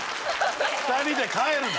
２人で帰るな！